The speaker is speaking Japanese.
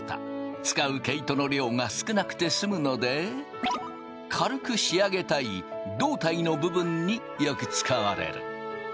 使う毛糸の量が少なくて済むので軽く仕上げたい胴体の部分によく使われる。